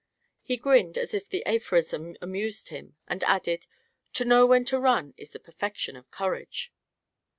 He grinned, as if the aphorism amused him, and added: "To know when to run is the perfection of courage."